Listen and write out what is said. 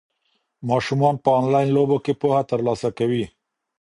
ماشومان په انلاین لوبو کې پوهه ترلاسه کوي.